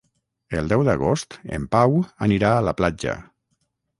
El deu d'agost en Pau anirà a la platja.